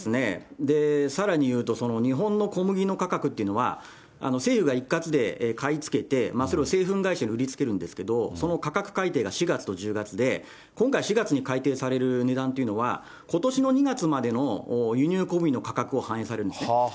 さらに言うと、日本の小麦の価格というのは、政府が一括で買い付けて、それを製粉会社に売りつけるんですけれども、その価格改定が４月と１０月で、今回、４月に改定される値段というのは、ことしの２月までの輸入小麦の価格を反映されるんですね。